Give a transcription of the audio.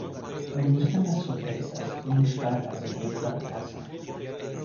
me gustan las sorpresas y buscarlas por toda la casa.